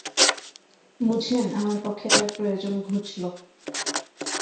বুঝলেন, আমার পক্ষে তাঁর প্রয়োজন ঘুচল।